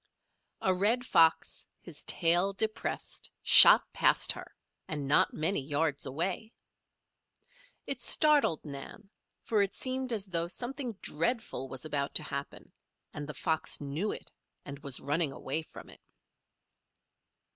A red fox, his tail depressed, shot past her, and not many yards away. It startled Nan, for it seemed as though something dreadful was about to happen and the fox knew it and was running away from it.